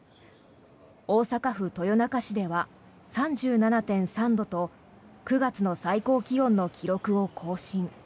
大阪府豊中市では３７．３度と９月の最高気温の記録を更新。